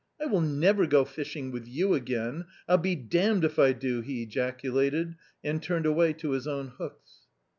" I will never go fishing with you again ; I'll be damned if I do," he ejaculated, and turned away to his own hooks.